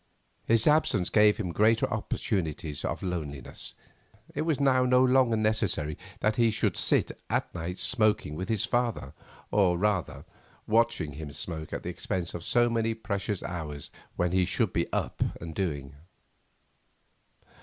His absence gave him greater opportunities of loneliness; it was now no longer necessary that he should sit at night smoking with his father, or, rather, watching him smoke at the expense of so many precious hours when he should be up and doing.